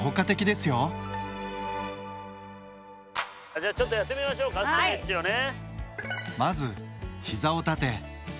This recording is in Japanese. じゃあちょっとやってみましょうかストレッチをね。